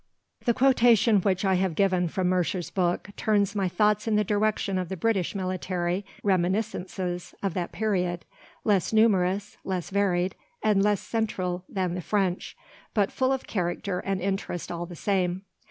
The quotation which I have given from Mercer's book turns my thoughts in the direction of the British military reminiscences of that period, less numerous, less varied, and less central than the French, but full of character and interest all the same.